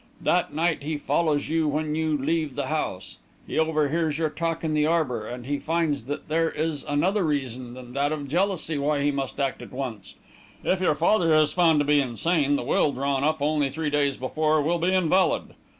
That night, he follows you when you leave the house; he overhears your talk in the arbour; and he finds that there is another reason than that of jealousy why he must act at once. If your father is found to be insane, the will drawn up only three days before will be invalid.